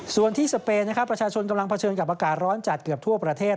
ส่วนที่สเปนนะครับประชาชนกำลังเผชิญกับอากาศร้อนจัดเกือบทั่วประเทศ